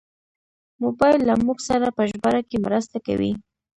موبایل له موږ سره په ژباړه کې مرسته کوي.